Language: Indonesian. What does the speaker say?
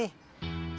kan kamu yang mulai